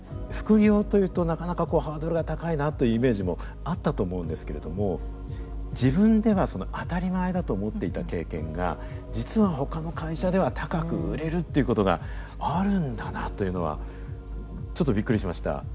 副業というとなかなかこうハードルが高いなというイメージもあったと思うんですけれども自分では当たり前だと思っていた経験が実はほかの会社では高く売れるっていうことがあるんだなというのはちょっとびっくりしました。